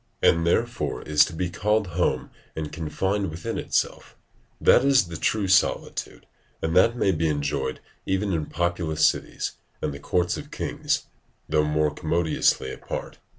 and therefore is to be called home and confined within itself: that is the true solitude, and that may be enjoyed even in populous cities and the courts of kings, though more commodiously apart.